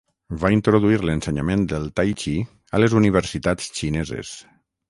Va introduir l'ensenyament del tai-txi a les universitats xineses.